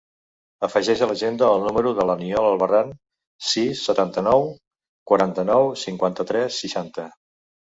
Afegeix a l'agenda el número de l'Aniol Albarran: sis, setanta-nou, quaranta-nou, cinquanta-tres, seixanta.